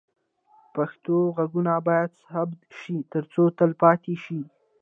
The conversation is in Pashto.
پښتو غږونه باید ثبت شي ترڅو تل پاتې شي.